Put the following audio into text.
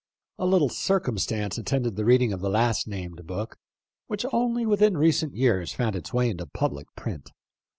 A little circumstance at tended the reading of the last named book, which only within recent years found its way into public print.